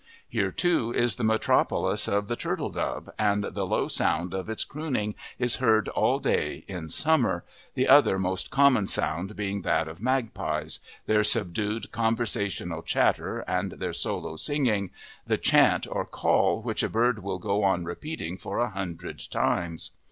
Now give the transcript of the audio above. Here, too, is the metropolis of the turtledove, and the low sound of its crooning is heard all day in summer, the other most common sound being that of magpies their subdued, conversational chatter and their solo singing, the chant or call which a bird will go on repeating for a hundred times.